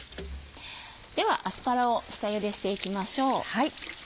ではアスパラを下ゆでしていきましょう。